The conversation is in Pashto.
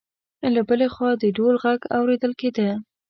له بل خوا د ډول غږ اوریدل کېده.